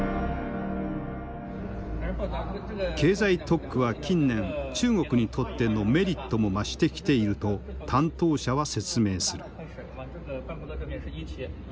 経済特区は近年中国にとってのメリットも増してきていると担当者は説明する。